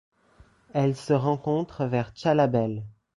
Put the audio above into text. Elle se rencontre vers Tchalabel.